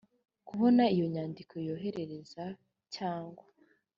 kubona iyo nyandiko yohereza cyangwa